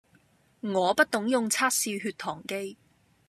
我不懂用測試血糖機